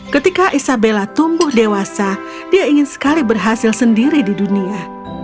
ketika isabella tumbuh dewasa dia ingin sekali berhasil sendiri di dunia